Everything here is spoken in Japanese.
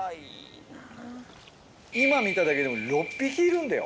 今見ただけでも６匹いるんだよ。